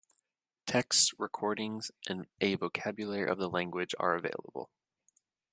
Texts, recordings, and a vocabulary of the language are available.